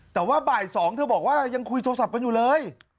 แต่ว่าบ่าย๒เธอบอกว่ายังคุยโทรศัพท์กันอยู่เลย